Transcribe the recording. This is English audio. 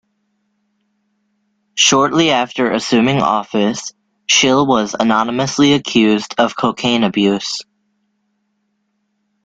Shortly after assuming office, Schill was anonymously accused of cocaine abuse.